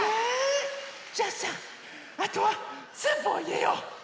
じゃあさあとはスープをいれよう。